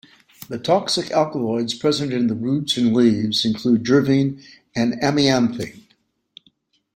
The toxic alkaloids present in the roots and leaves include jervine and amianthine.